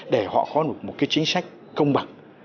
để họ có một chính sách công bằng